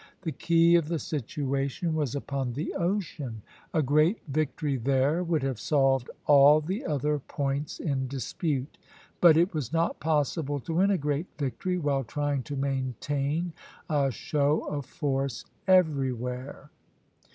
The key of the situation was upon the ocean; a great victory there would have solved all the other points in dispute. But it was not possible to win a great victory while trying to maintain a show of force everywhere.